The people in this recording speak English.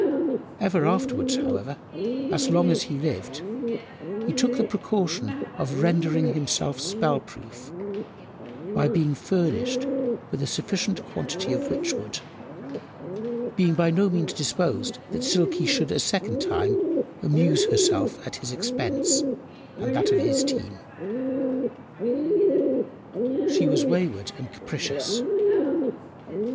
Ever afterwards, however, as long as he lived, he took the precaution of rendering himself spell–proof, by being furnished with a sufficient quantity of witchwood, being by no means disposed that Silky should a second time amuse herself at his expense and that of his team. She was wayward and capricious.